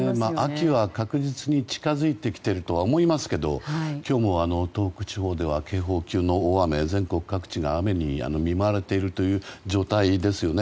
秋は確実に近づいてきているとは思いますけど今日も東北地方では警報級の大雨全国各地が雨に見舞われているという状態ですよね。